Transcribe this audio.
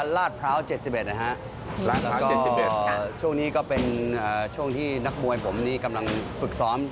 แล้วก็ช่วงนี้ก็เป็นช่วงที่นักมวยผมนี่กำลังฝึกซ้อม